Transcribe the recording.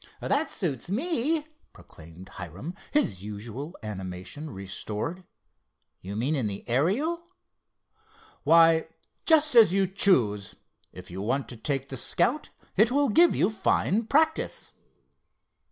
"That suits me," proclaimed Hiram, his usual animation restored—"you mean in the Ariel?" "Why, just as you choose. If you want to take the Scout, it will give you fine practice."